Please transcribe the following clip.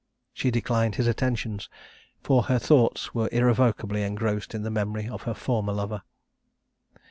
She declined his attentions, for her thoughts were irrevocably engrossed by the memory of her former lover.